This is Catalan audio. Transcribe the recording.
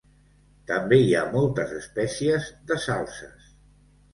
També hi ha moltes espècies de salzes.